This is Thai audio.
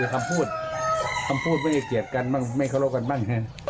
คำพูดไม่เอียดเกียจกันบ้างไม่เคารกกันบ้าง